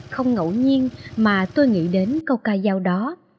không ngẫu nhiên mà tôi nghĩ đến câu ca giao đó